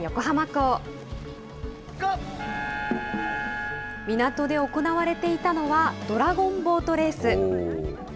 港で行われていたのは、ドラゴンボートレース。